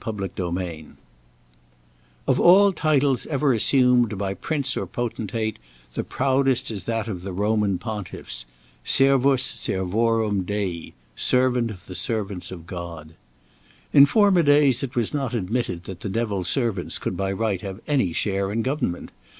Chapter VIII OF all titles ever assumed by prince or potentate, the proudest is that of the Roman pontiffs: "Servus servorum Dei" "Servant of the servants of God." In former days it was not admitted that the devil's servants could by right have any share in government.